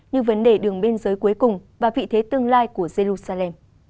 như vấn đề đường biên giới cuối cùng và vị thế tương lai của jerusalem